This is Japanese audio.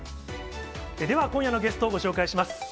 では、今夜のゲストご紹介します。